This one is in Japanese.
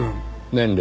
年齢。